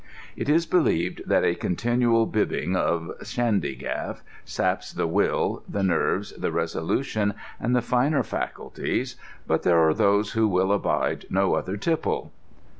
It is believed that a continual bibbing of shandygaff saps the will, the nerves, the resolution, and the finer faculties, but there are those who will abide no other tipple.